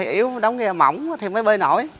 nếu đóng ghe mỏng thì mới bơi nổi